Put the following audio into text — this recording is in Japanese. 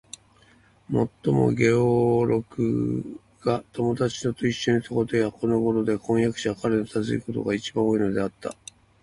もっとも、ゲオルクが友人たちといっしょにいることや、このごろでは婚約者が彼を訪ねることが、いちばん多いのではあった。